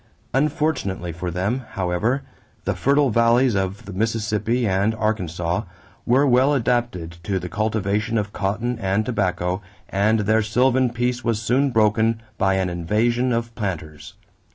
Unfortunately for them, however, the fertile valleys of the Mississippi and Arkansas were well adapted to the cultivation of cotton and tobacco and their sylvan peace was soon broken by an invasion of planters.